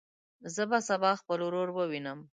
زه به سبا خپل ورور ووینم.